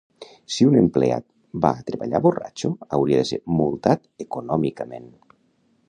Si un empleat va a treballar borratxo hauria de ser multat econòmicament